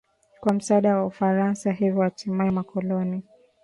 kwa msaada wa Ufaransa Hivyo hatimaye makoloni